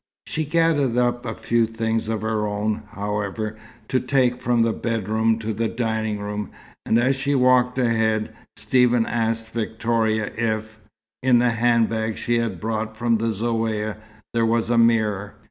She gathered up a few things of her own, however, to take from the bedroom to the dining room, and as she walked ahead, Stephen asked Victoria if, in the handbag she had brought from the Zaouïa there was a mirror.